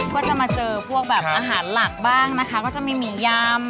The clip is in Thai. ก็จะมาเจอพวกแบบอาหารหลักบ้างนะคะก็จะมีหมี่ยำ